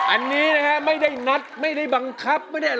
อันนี้นะครับไม่ได้นัดไม่ได้บังคับ